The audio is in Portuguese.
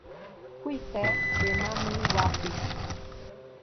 Cuité de Mamanguape